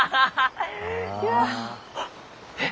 えっ！